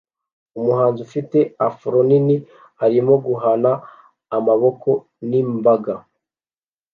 Umuhanzi ufite afro nini arimo guhana amaboko n'imbaga